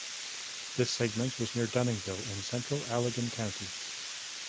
This segment was near Dunningville in central Allegan County.